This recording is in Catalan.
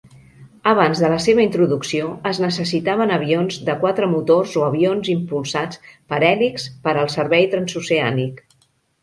Abans de la seva introducció, es necessitaven avions de quatre motors o avions impulsats per hèlixs per al servei transoceànic.